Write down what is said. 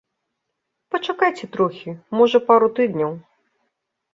Пачакайце трохі, можа, пару тыдняў.